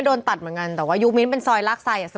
โดนตัดเหมือนกันแต่ว่ายุคมิ้นเป็นซอยลากไซด